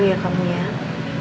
iya makasih mbak